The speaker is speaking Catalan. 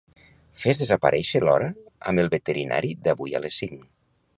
Fes desaparèixer l'hora amb el veterinari d'avui a les cinc.